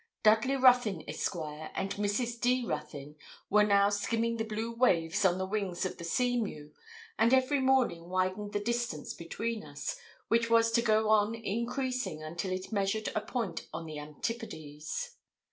Dudley Ruthyn, Esq., and Mrs. D. Ruthyn, were now skimming the blue waves on the wings of the Seamew, and every morning widened the distance between us, which was to go on increasing until it measured a point on the antipodes.